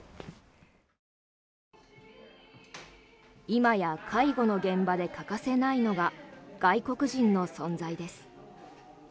今や介護の現場で欠かせないのが外国人の存在です。